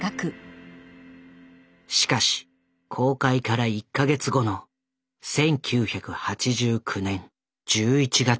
しかし公開から１か月後の１９８９年１１月６日。